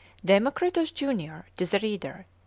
DEMOCRITUS JUNIOR TO THE READER.